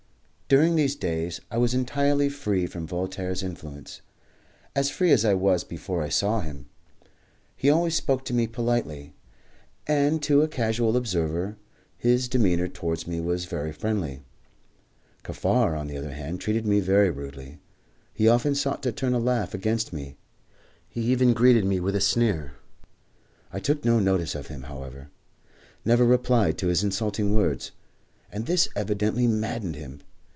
During these days I was entirely free from Voltaire's influence, as free as I was before I saw him. He always spoke to me politely, and to a casual observer his demeanour towards me was very friendly. Kaffar, on the other hand, treated me very rudely. He often sought to turn a laugh against me; he even greeted me with a sneer. I took no notice of him, however never replied to his insulting words; and this evidently maddened him.